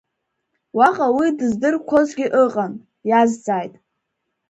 Уаҟа уи дыздырқәозгьы ыҟан, иазҵааит…